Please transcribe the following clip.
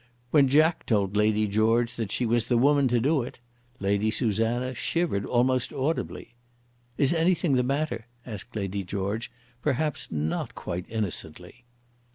When Jack told Lady George that "she was the woman to do it," Lady Susanna shivered almost audibly. "Is anything the matter?" asked Lady George, perhaps not quite innocently.